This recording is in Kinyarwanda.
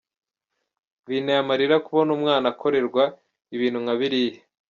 Binteye amarira kubona umwana akorerwa ibintu nka biriya.